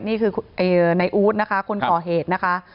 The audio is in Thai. นี่คือในอู๊ดนะคะคนก่อเหตุนะคะ